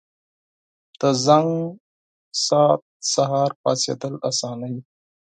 • د زنګ ساعت سهار پاڅېدل اسانوي.